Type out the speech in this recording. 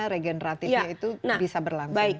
regeneratifnya itu bisa berlangsung